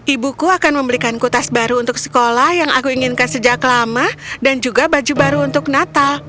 ibuku akan membelikan kutas baru untuk sekolah yang aku inginkan sejak lama dan juga baju baru untuk natal